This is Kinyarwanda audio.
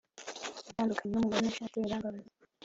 natandukanye numugore nashatse birambabaza